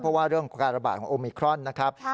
เพราะว่าเรื่องของการระบาดของโอมิครอนนะครับ